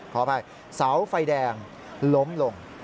ขออภัยเสาไฟแดงล้มลง